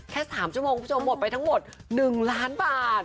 แค่๓ชั่วโมงคุณผู้ชมหมดไปทั้งหมด๑ล้านบาท